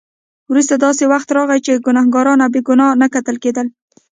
وروسته داسې وخت راغی چې ګناهګار او بې ګناه نه کتل کېدل.